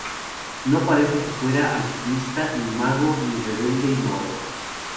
No parece que fuera alquimista, ni mago, ni rebelde innovador.